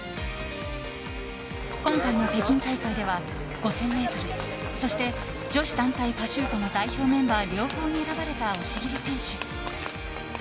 今回の北京大会では５０００ｍそして、女子団体パシュートの代表メンバー両方に選ばれた押切選手。